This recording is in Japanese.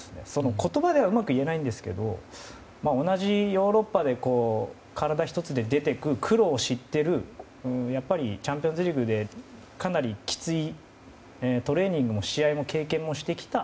言葉ではうまく言えないんですが同じヨーロッパで体ひとつで出て行く苦労を知っているチャンピオンズリーグでかなりきついトレーニングも試合も経験してきた。